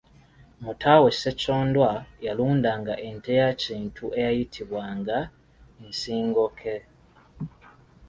Mutaawe Ssekyondwa yalundanga ente ya Kintu eyayitibwanga nsingoke.